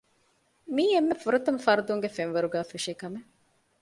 މިއީ އެންމެ ފުރަތަމަ ފަރުދުންގެ ފެންވަރުގައި ފެށޭ ކަމެއް